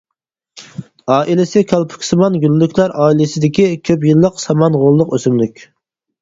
ئائىلىسى كالپۇكسىمان گۈللۈكلەر ئائىلىسىدىكى كۆپ يىللىق سامان غوللۇق ئۆسۈملۈك.